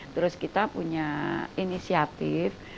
terus kita punya inisiatif